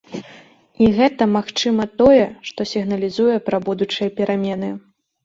І гэта, магчыма, тое, што сігналізуе пра будучыя перамены.